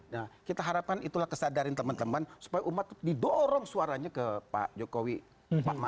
nah kita harapkan itulah kesadaran teman teman supaya umat didorong suaranya ke pak jokowi pak mahfu